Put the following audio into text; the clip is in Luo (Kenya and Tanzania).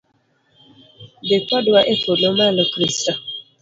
Dhi kodwa epolo malo Kristo